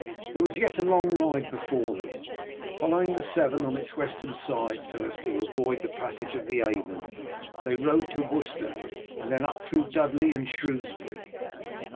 There was yet a long ride before them. Following the Severn on its western side so as to avoid the passage of the Avon, they rode to Worcester, and then up through Dudley and Shrewsbury.